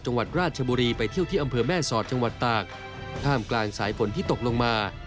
จังหวัดราชบุรีไปเที่ยวที่อำเภอแม่สอดจังหวัดตากท่ามกลางสายฝนที่ตกลงมา